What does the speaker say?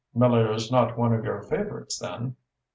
"Miller is not one of your favorites, then?"